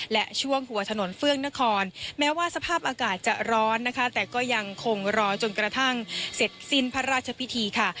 และช่วงหัวถนนเฟื่องนครแม้ว่าสภาพอากาศจะร้อนนะคะแต่ก็ยังคงรอจนกระทั่งเสร็จสิ้นพระราชพิธีค่ะ